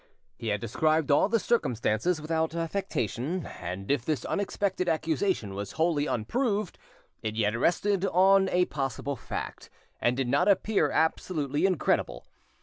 He had described all the circumstances without affectation, and if this unexpected accusation was wholly unproved, it yet rested on a possible fact, and did not appear absolutely incredible.